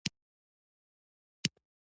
فرهنګ اهمیت بیارغاونې ټینګار